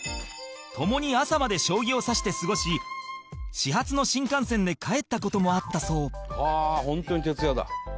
ともに朝まで将棋を指して過ごし始発の新幹線で帰った事もあったそう伊達：本当に徹夜だ。